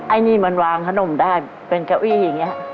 อันนี้มันวางขนมได้เป็นเก้าอี้อย่างนี้